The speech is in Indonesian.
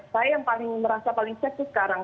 saya yang merasa paling safe itu sekarang